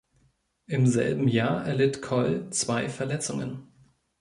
Im selben Jahr erlitt Koll zwei Verletzungen.